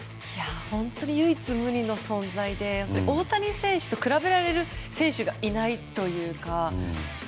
本当に唯一無二の存在で大谷選手と比べられる選手がいないというか。